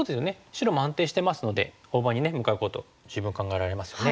白も安定してますので大場に向かうこと十分考えられますよね。